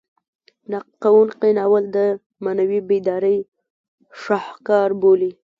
نقد کوونکي ناول د معنوي بیدارۍ شاهکار بولي.